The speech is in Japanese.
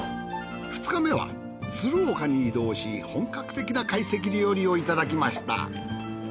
２日目は鶴岡に移動し本格的な懐石料理をいただきました。